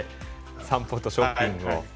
散歩とショッピングを。